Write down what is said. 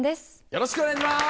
よろしくお願いします！